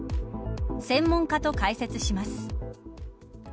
専門家と解説します。